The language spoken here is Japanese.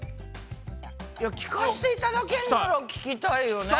聞かしていただけるなら聞きたいよね。